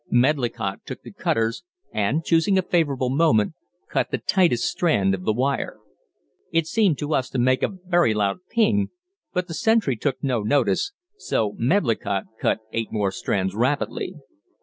Medlicott took the cutters and, choosing a favorable moment, cut the tightest strand of wire. It seemed to us to make a very loud "ping," but the sentry took no notice, so Medlicott cut eight more strands rapidly.